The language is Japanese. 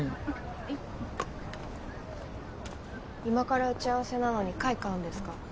今から打ち合わせなのに貝買うんですか？